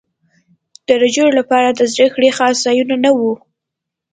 د نجونو لپاره د زدکړې خاص ځایونه نه وو